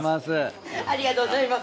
ありがとうございます。